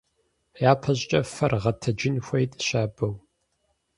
ЯпэщӀыкӀэ фэр гъэтэджын хуейт щабэу.